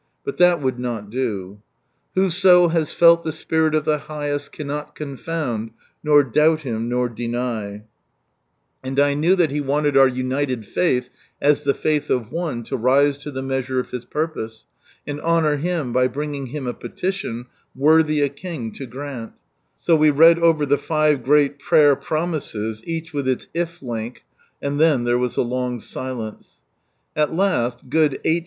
But that would not do. 92 From Sunrise Land And 1 knew that He wanted our united faith, as the faith of one, to rise to the measure of His purpose, and honour Him by bringing Him a petition worthy a king to grant. So we read over the five great prayer promises, each with its If Link, and then there ivas a iong silence. At last, good H.